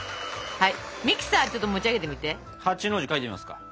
はい。